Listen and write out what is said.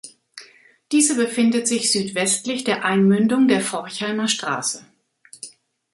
Diese befindet sich südwestlich der Einmündung der Forchheimer Straße.